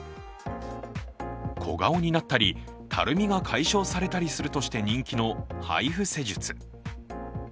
小顔になったりたるみが解消されたりするとして人気のＨＩＦＵ施術。